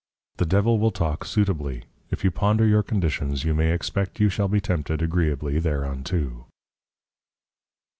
_ The Devil will talk suitably; if you ponder your Conditions, you may expect you shall be tempted agreeably thereunto.